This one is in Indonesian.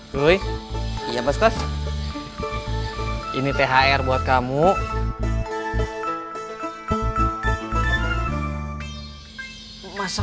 lalu apa yang saya mau kasih